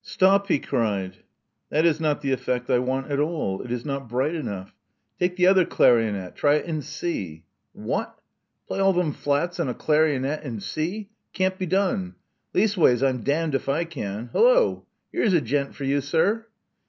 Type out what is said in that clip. Stop," he cried. That is not the effect I want at all. It is not bright enough. Take the other clar ionet. Try it in C." Wot! Play all them flats on a clarionet in C! It can't be done. Leastways I'm damn'd if I can — Hello ! 'Ere's a gent for you, sir.